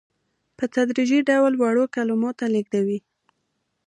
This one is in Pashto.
په تدریجي ډول وړو کولمو ته لېږدوي.